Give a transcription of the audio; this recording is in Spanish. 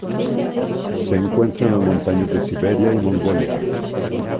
Se encuentra en las montañas de Siberia y Mongolia.